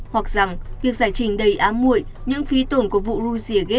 hoặc rằng việc giải trình đầy ám mụi những phí tổn của vụ russiagate